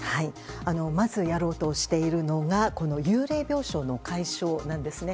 まずやろうとしているのが幽霊病床の解消なんですね。